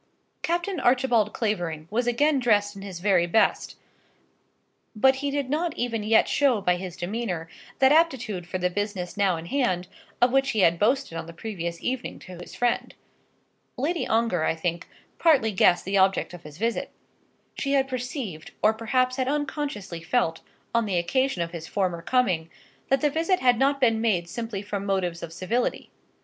Captain Archibald Clavering was again dressed in his very best, but he did not even yet show by his demeanour that aptitude for the business now in hand of which he had boasted on the previous evening to his friend. Lady Ongar, I think, partly guessed the object of his visit. She had perceived, or perhaps had unconsciously felt, on the occasion of his former coming, that the visit had not been made simply from motives of civility.